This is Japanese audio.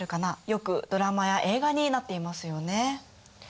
よくドラマや映画になっていますよね。